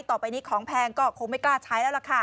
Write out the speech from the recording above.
ต่อไปนี้ของแพงก็คงไม่กล้าใช้แล้วล่ะค่ะ